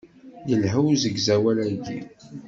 Yelha usegzawal-agi.